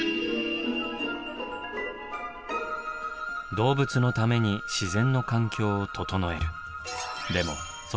動物のために自然の環境を整える。